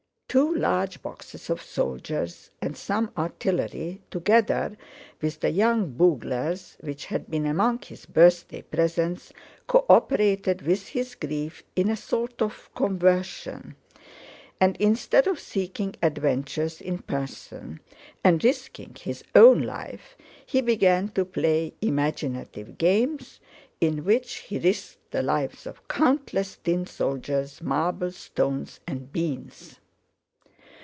Two large boxes of soldiers and some artillery, together with The Young Buglers, which had been among his birthday presents, cooperated with his grief in a sort of conversion, and instead of seeking adventures in person and risking his own life, he began to play imaginative games, in which he risked the lives of countless tin soldiers, marbles, stones and beans.